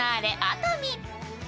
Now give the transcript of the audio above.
熱海。